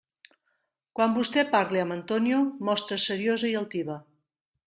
Quan vostè parle amb Antonio, mostre's seriosa i altiva.